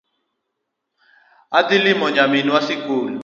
Adhi limo nyaminwa sikul